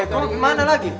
eh kok dimana lagi